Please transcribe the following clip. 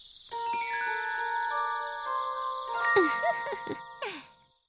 ウフフフ。